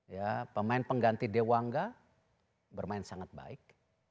ya pemain pengganti dewanga bermain sangat baik